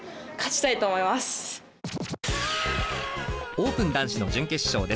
オープン男子の準決勝です。